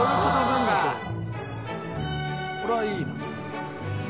これはいいな。